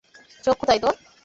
চোখ কোথায় তোর?